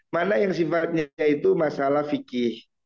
mana yang sifatnya itu masalah fikih